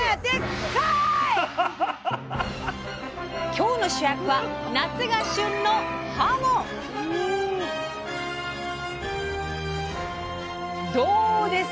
今日の主役は夏が旬のどうです？